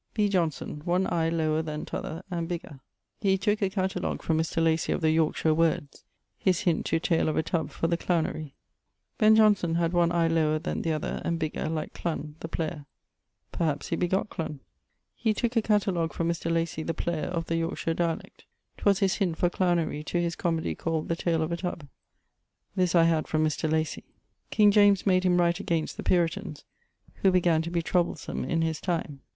B. Jonson; one eye lower then t'other and bigger. He tooke a catalogue from Mr. Lacy of the Yorkshire words his hint to Tale of a Tub for the clownery. Ben Johnson had one eie lower than t'other, and bigger, like Clun, the player: perhaps he begott Clun. He tooke a catalogue from Mr. Lacy (the player) of the Yorkshire dialect. 'Twas his hint for clownery to his comoedy called The Tale of a Tub. This I had from Mr. Lacy. King James made him write against the Puritans, who began to be troublesome in his time.